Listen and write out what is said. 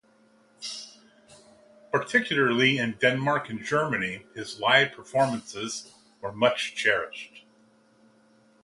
Particularly in Denmark and Germany his live performances were much cherished.